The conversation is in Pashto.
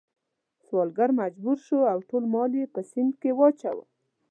سوداګر مجبور شو او ټول مال یې په سیند کې واچاوه.